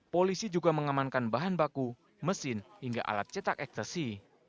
polisi juga mengamankan bahan baku mesin hingga alat cetak ekstasi